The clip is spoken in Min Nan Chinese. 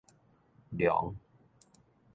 量